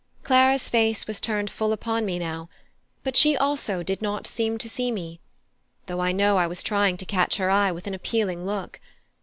Clara's face was turned full upon me now, but she also did not seem to see me, though I know I was trying to catch her eye with an appealing look.